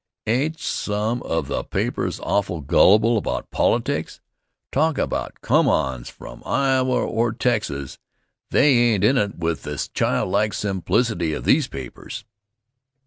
Say, ain't some of the papers awful gullible about politics? Talk about come ons from Iowa or Texas they ain't in it with the childlike simplicity of these papers.